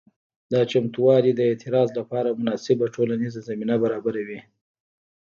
دا چمتووالي د اعتراض لپاره مناسبه ټولنیزه زمینه برابروي.